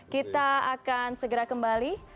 kita akan segera kembali